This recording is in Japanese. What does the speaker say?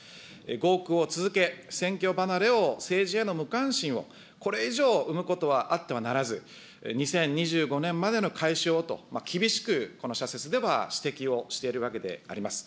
合区を続け、選挙離れを、政治への無関心をこれ以上、生むことはあってはならず、２０２５年までの解消をと厳しくこの社説では指摘をしているわけであります。